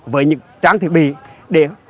với những tráng thiết bị để giúp bà con